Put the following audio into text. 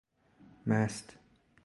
مست